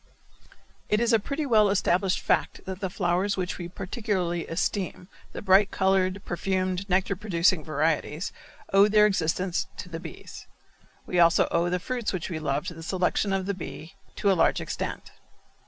It is a pretty well established fact that the flowers which we particularly esteem, the bright colored, perfumed, nectar producing varieties, owe their existence to the bees. We also owe the fruits which we love to the selection of the bee to a large extent.